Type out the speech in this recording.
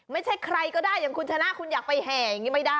ไม่ใช่ใครก็ได้อย่างคุณชนะคุณอยากไปแห่อย่างนี้ไม่ได้